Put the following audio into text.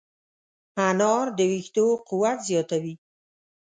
انار د ویښتو قوت زیاتوي.